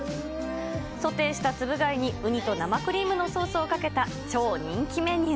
ソテーしたつぶ貝にウニと生クリームのソースをかけた、超人気メニュー。